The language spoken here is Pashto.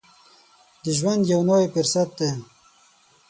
د ژوند یو نوی فرصت دی.